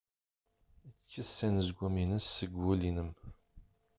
Kkes anezgum-nnes seg wul-nnem!